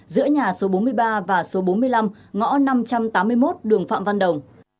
giữa nhà số bốn mươi ba và số bốn mươi năm ngõ năm trăm tám mươi một đường phạm văn đồng